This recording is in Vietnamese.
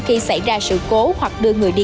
khi xảy ra sự cố hoặc đưa người đi